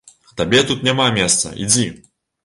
Табе тут няма месца, ідзі!